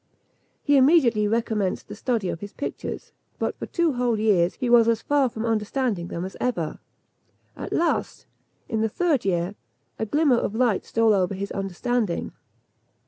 He immediately recommenced the study of his pictures; but for two whole years he was as far from understanding them as ever. At last, in the third year, a glimmer of light stole over his understanding.